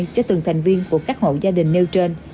cho từng thành viên của các hộ gia đình nêu trên